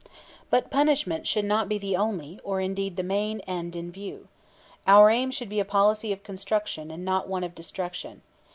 But punishment should not be the only, or indeed the main, end in view. Our aim should be a policy of construction and not one of destruction.